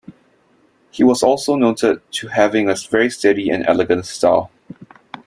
He was also noted to having a very steady and elegant style.